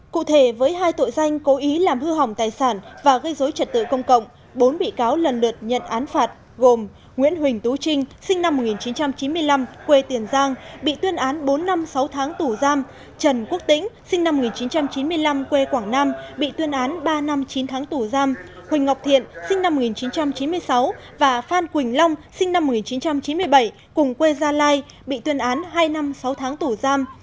cụ thể với hai tội danh cố ý làm hư hỏng tài sản và gây dối trật tự công cộng bốn bị cáo lần lượt nhận án phạt gồm nguyễn huỳnh tú trinh sinh năm một nghìn chín trăm chín mươi năm quê tiền giang bị tuyên án bốn năm sáu tháng tủ giam trần quốc tĩnh sinh năm một nghìn chín trăm chín mươi năm quê quảng nam bị tuyên án ba năm chín tháng tủ giam huỳnh ngọc thiện sinh năm một nghìn chín trăm chín mươi sáu và phan quỳnh long sinh năm một nghìn chín trăm chín mươi bảy cùng quê gia lai bị tuyên án hai năm sáu tháng tủ giam